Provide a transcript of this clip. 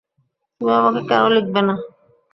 তুমি আমাকে কেন লিখবে না?